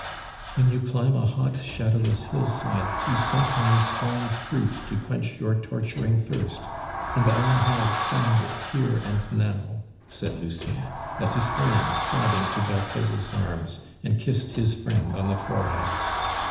"When you climb a hot, shadowless hillside, you sometimes find fruit to quench your torturing thirst; and I have found it here and now," said Lucien, as he sprang sobbing to d'Arthez's arms and kissed his friend on the forehead.